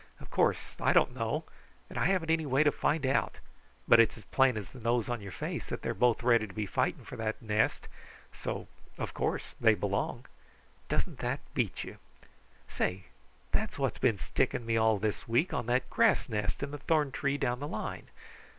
Of course, I don't know, and I haven't any way to find out, but it's plain as the nose on your face that they are both ready to be fighting for that nest, so, of course, they belong. Doesn't that beat you? Say, that's what's been sticking me all of this week on that grass nest in the thorn tree down the line.